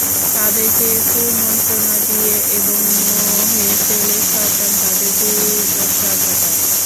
তাদেরকে কুমন্ত্রণা দিয়ে এবং মোহে ফেলে শয়তান তাদের দুর্দশা ঘটায়।